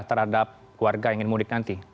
terhadap warga yang ingin mudik nanti